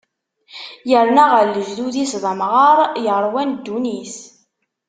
Yerna ɣer lejdud-is, d amɣar yeṛwan ddunit.